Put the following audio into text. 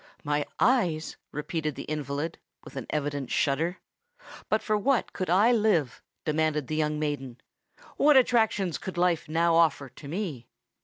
"My eyes!" repeated the invalid, with an evident shudder. "But for what could I live?" demanded the young maiden: "what attractions could life now offer to me?"